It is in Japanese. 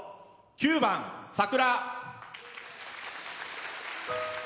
９番「桜」。